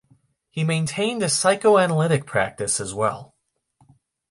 He maintained a psychoanalytic practice as well.